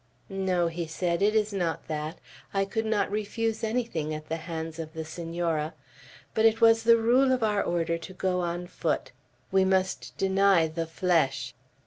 "No;" he said, "it is not that. I could not refuse anything at the hands of the Senora. But it was the rule of our order to go on foot. We must deny the flesh.